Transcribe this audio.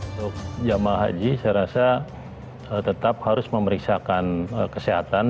untuk jemaah haji saya rasa tetap harus memeriksakan kesehatan